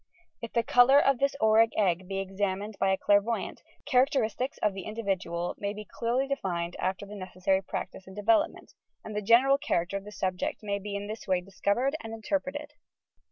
If the colours of this auric egg be examined by a clairvoyant, characteristics of the individual may be clearly defined after the necessary practice and de velopment, and the general character of the subject may in thia way be discovered and interpreted.